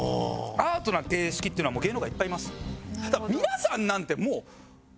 アートな形式っていうのは芸能界いっぱいいます。